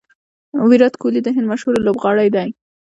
ویرات کهولي د هند مشهوره لوبغاړی دئ.